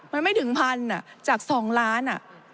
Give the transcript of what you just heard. มันไม่ถึงพันจาก๒ล้าน